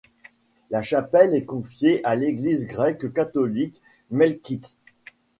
La chapelle est confiée à l'Église grecque-catholique melkite.